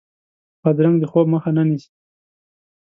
بادرنګ د خوب مخه نه نیسي.